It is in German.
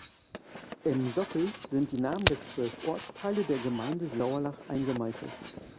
Im Sockel sind die Namen der zwölf Ortsteile der Gemeinde Sauerlach eingemeißelt.